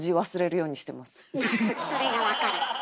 それが分からん。